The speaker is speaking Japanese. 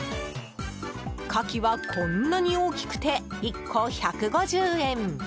カキは、こんなに大きくて１個１５０円。